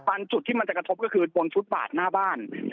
จุดที่มันจะกระทบก็คือบนฟุตบาทหน้าบ้าน